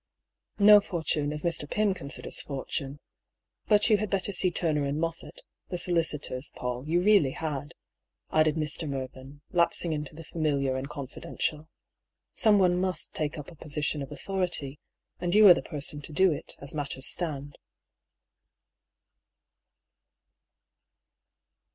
" No fortune, as Mr. Pym considers fortune. But you had better see Turner and Moffatt, the solicitors, Paull, you really had," added Mr. Mervyn, lapsing into the familiar and confidential. " Someone must take up a position of authority ; and you are the person to do it, as matters stand."